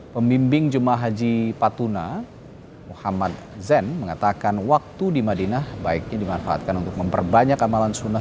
pembimbing ⁇ jumah ⁇ haji patuna muhammad zen mengatakan waktu di madinah baiknya dimanfaatkan untuk memperbanyak amalan sunnah